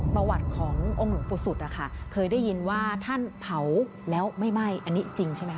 ประวัติขององค์หลวงปู่สุดนะคะเคยได้ยินว่าท่านเผาแล้วไม่ไหม้อันนี้จริงใช่ไหมค